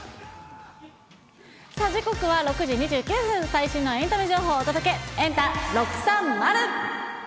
さあ、時刻は６時２９分、最新のエンタメ情報をお届け、エンタ６３０。